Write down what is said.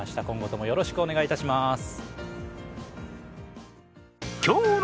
今後ともよろしくお願いいたします。